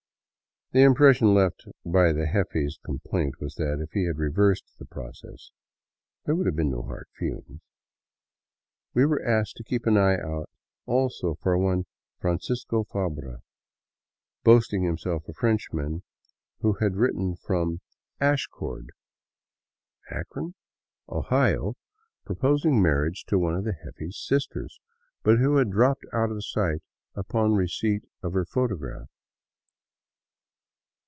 The impression left by the jefe's complaint was that if he had reversed the process, there would have been no hard feel ing. We were asked to keep an eye out also for one Francisco Fabra, boasting himself a Frenchman, who had written from " Ashcord " 119 VAGABONDING DOWN THE ANDES (Akron?), Ohio, proposing marriage to one of the jefe's sisters, but who had dropped out of sight upon receipt of her photograph.